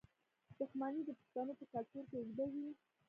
دښمني د پښتنو په کلتور کې اوږده وي.